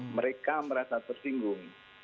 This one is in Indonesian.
mereka merasa tersinggung